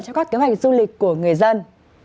cho các kế hoạch du lịch của người dân